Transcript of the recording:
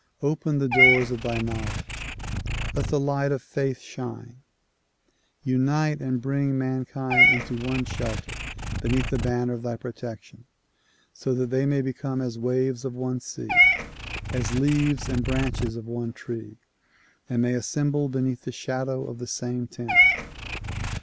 Open the doors of thy knowledge ; let the light of faith shine. Unite and bring mankind into one shelter beneath the banner of thy protection so that they may become as waves of one sea, as leaves and branches of one tree, and may assemble beneath the shadow of the same tent.